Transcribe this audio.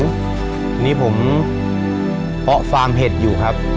อันนี้ผมเพาะฟาร์มเห็ดอยู่ครับ